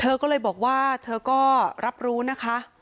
เธอก็เลยบอกว่าเธอก็รับรู้นะคะ